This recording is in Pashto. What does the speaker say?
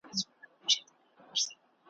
یو پر بل به یې حملې سره کولې `